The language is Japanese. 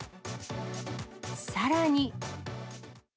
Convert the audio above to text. さらに。